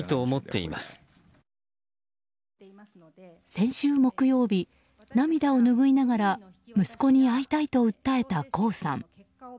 先週木曜日、涙を拭いながら息子に会いたいと訴えた江さん。